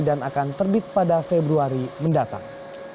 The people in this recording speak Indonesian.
dan akan terbit pada februari mendatang